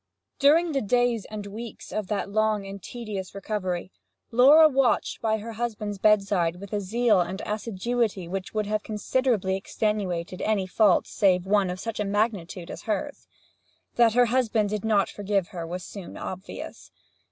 During the days and weeks of that long and tedious recovery, Laura watched by her husband's bedside with a zeal and assiduity which would have considerably extenuated any fault save one of such magnitude as hers. That her husband did not forgive her was soon obvious.